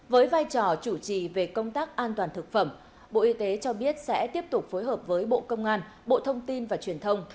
với vai trò chủ trì về công tác an toàn thực phẩm bộ y tế cho biết sẽ tiếp tục phối hợp với bộ công an bộ thông tin và truyền thông